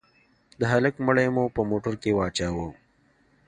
د هلك مړى مو په موټر کښې واچاوه.